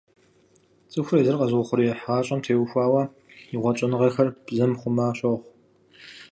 ЦӀыхур езыр къэзыухъуреихь гъащӀэм теухуауэ игъуэт щӀэныгъэхэр бзэм хъума щохъу.